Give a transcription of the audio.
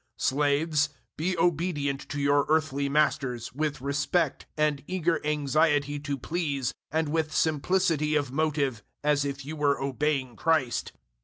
006:005 Slaves, be obedient to your earthly masters, with respect and eager anxiety to please and with simplicity of motive as if you were obeying Christ.